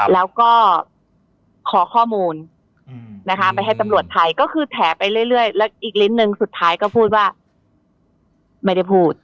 แล้วก็ขอข้อมูลนะคะไปให้ตำรวจไทยก็คือแถไปเรื่อยแล้วอีกลิ้นหนึ่งสุดท้ายก็พูดว่าไม่ได้พูด